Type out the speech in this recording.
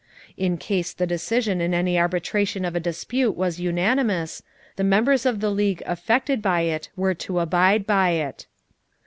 In case the decision in any arbitration of a dispute was unanimous, the members of the League affected by it were to abide by it.